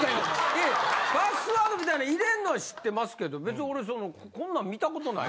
いやいやパスワードみたいな入れんのは知ってますけど別に俺そんなんこんなん見たことない。